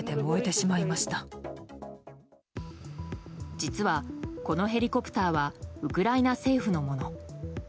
実は、このヘリコプターはウクライナ政府のもの。